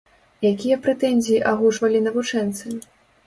Якія прэтэнзіі агучвалі навучэнцы?